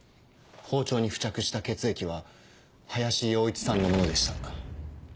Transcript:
包丁に付着した血液は林洋一さんのものでした。